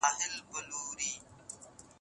اسلام اصلاح غواړي.